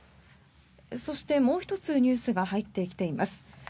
そして、もう１つニュースが入ってきています。